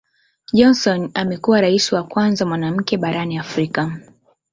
Johnson amekuwa Rais wa kwanza mwanamke barani Afrika.